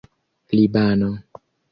libano